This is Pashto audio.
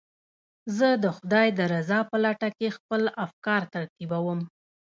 زه د خدای د رضا په لټه کې خپل افکار ترتیبوم.